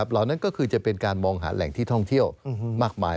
เหล่านั้นก็คือจะเป็นการมองหาแหล่งที่ท่องเที่ยวมากมาย